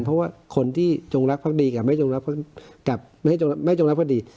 เพราะว่าคนที่จงรักพรรคดีกับไม่จงรักพรรคดี